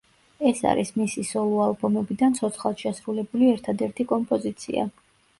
ეს არის მისი სოლო ალბომებიდან ცოცხლად შესრულებული ერთადერთი კომპოზიცია.